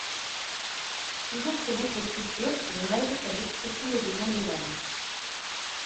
Toujours selon cette culture, le rêve est l'expression des besoins de l'âme.